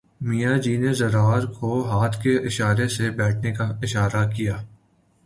میاں جی نے ضرار کو ہاتھ کے اشارے سے بیٹھنے کا اشارہ کیا